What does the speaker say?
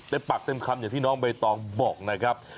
ปากเต็มคำอย่างที่น้องใบตองบอกนะครับ